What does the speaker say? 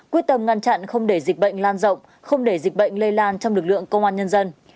quyết tâm ngăn chặn không để dịch bệnh lan rộng không để dịch bệnh lây lan trong lực lượng công an nhân dân